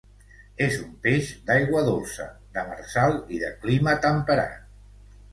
És un peix d'aigua dolça, demersal i de clima temperat.